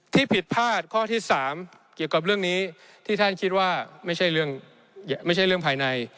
ที่ผิดพลาดข้อที่๓เกี่ยวกับเรื่องนี้ที่ท่านคิดว่าไม่ใช่เรื่องภายใน